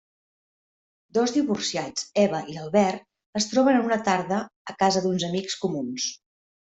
Dos divorciats, Eva i Albert, es troben una tarda a casa d'uns amics comuns.